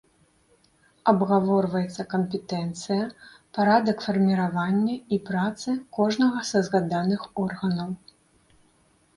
Абгаворваецца кампетэнцыя, парадак фарміравання і працы кожнага са згаданых органаў.